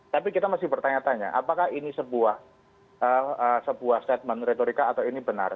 tapi kita masih bertanya tanya apakah ini sebuah statement retorika atau ini benar